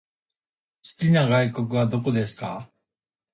好きな外国はどこですか？